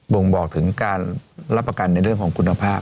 ่งบอกถึงการรับประกันในเรื่องของคุณภาพ